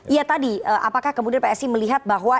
iya tadi apakah kemudian pak esi melihat bahwa